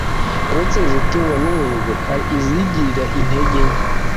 Uretse izitungwa n’umuhigo, hari izigirira intege nke